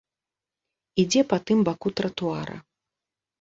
Ідзе па тым баку тратуара.